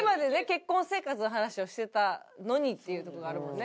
結婚生活の話をしてたのにっていうところがあるもんね。